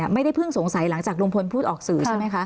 ไม่ได้เพิ่งสงสัยหลังจากลุงพลพูดออกสื่อใช่ไหมคะ